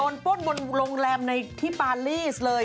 โดนโปรดบนโรงแรมในที่ปารีสเลย